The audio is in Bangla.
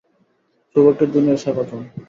সৌভাগ্যের দুনিয়ায় স্বাগতম।